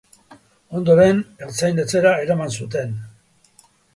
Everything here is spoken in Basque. Ondoren, ertzain-etxera eraman zuten.